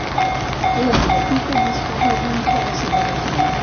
La meva tita lliscava a dins de la seva vagina.